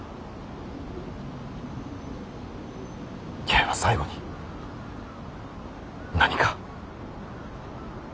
八重は最後に何か。